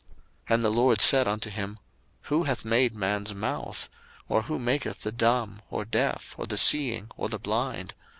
02:004:011 And the LORD said unto him, Who hath made man's mouth? or who maketh the dumb, or deaf, or the seeing, or the blind?